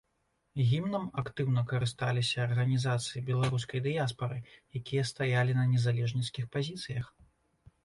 Гімнам актыўна карысталіся арганізацыі беларускай дыяспары, якія стаялі на незалежніцкіх пазіцыях.